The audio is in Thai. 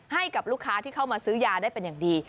ให้กับลูกค้าที่เข้ามาซื้อยาได้เป็นอย่างดี